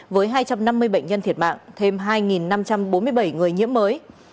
với hai trăm năm mươi bệnh nhân thiệt mạng thêm hai năm trăm bốn mươi bảy người nhiễm mới